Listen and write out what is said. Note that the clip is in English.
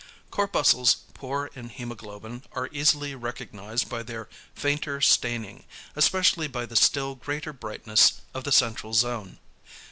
Corpuscles poor in hæmoglobin are easily recognised by their fainter staining, especially by the still greater brightness of the central zone.